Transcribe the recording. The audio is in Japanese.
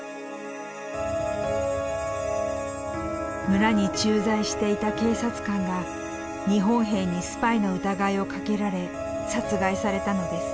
村に駐在していた警察官が日本兵にスパイの疑いをかけられ殺害されたのです。